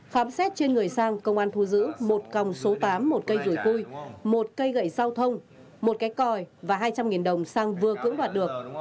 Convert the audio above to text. phám xét trên người sang công an thu giữ một còng số tám một cây rùi cui một cây gậy sao thông một cái còi và hai trăm linh đồng sang vừa cưỡng đoạt được